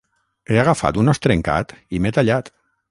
He agafat un os trencat i m'he tallat.